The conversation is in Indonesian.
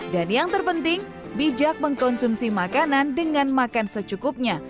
dan yang terpenting bijak mengkonsumsi makanan dengan makan secukupnya